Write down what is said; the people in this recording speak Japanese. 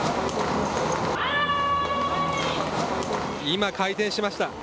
今、開店しました。